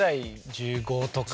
１５とか。